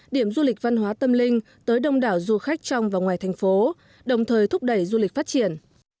điểm du lịch văn hóa tâm linh tới đông đảo du khách trong và ngoài thành phố đồng thời thúc đẩy du lịch phát triển